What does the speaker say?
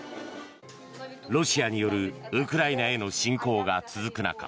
ロシアによるウクライナへの侵攻が続く中